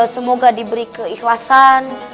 semoga diberi keikhlasan